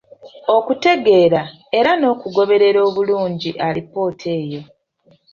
Okutegera era n'okugoberera obulungi alipoota eyo.